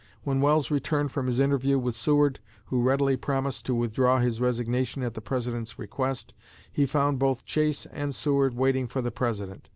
When Welles returned from his interview with Seward, who readily promised to withdraw his resignation at the President's request, he found both Chase and Seward waiting for the President.